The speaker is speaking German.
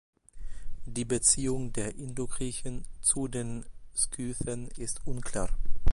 Die Beziehung der Indo-Griechen zu den Skythen ist unklar.